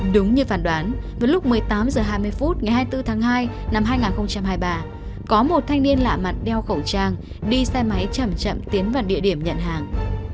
đúng như phản đoán với lúc một mươi tám h hai mươi phút ngày hai mươi bốn tháng hai năm hai nghìn hai mươi ba có một thanh niên lạ mặt đeo khẩu trang đi xe máy chậm chậm tiến vào địa điểm nhận hàng